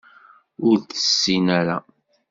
Ur tessin ara.